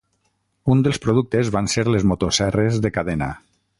Un dels productes van ser les motoserres de cadena.